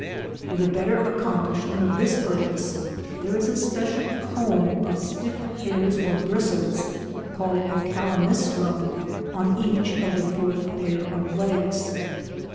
For the better accomplishment of this purpose there is a special comb of stiff hairs or bristles, called a calamistrum, on each of the fourth pair of legs.